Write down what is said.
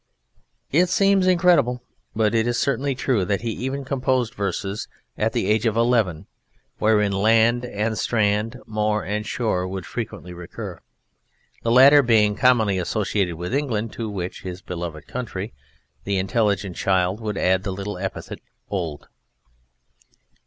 It seems incredible, but it is certainly true, that he even composed verses at the age of eleven, wherein "land" and "strand", "more" and "shore" would frequently recur, the latter being commonly associated with England, to which, his beloved country, the intelligent child would add the epithet "old".